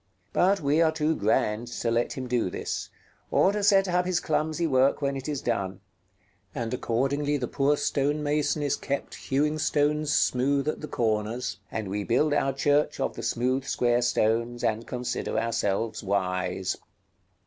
But we are too grand to let him do this, or to set up his clumsy work when it is done; and accordingly the poor stone mason is kept hewing stones smooth at the corners, and we build our church of the smooth square stones, and consider ourselves wise.